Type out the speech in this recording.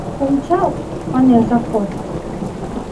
— Ончал, — манеш завхоз.